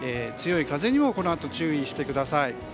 強い風にもこのあと注意してください。